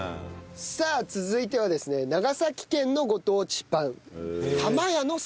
さあ続いてはですね長崎県のご当地パン。